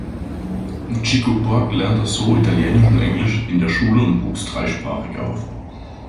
Chico Buarque lernte so Italienisch und Englisch in der Schule und wuchs dreisprachig auf.